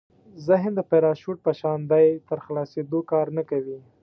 ذهن د پراشوټ په شان دی تر خلاصېدو کار نه کوي.